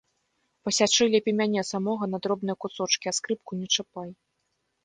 Пасячы лепей мяне самога на дробныя кусочкі, а скрыпку не чапай!